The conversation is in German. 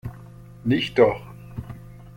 Nicht doch!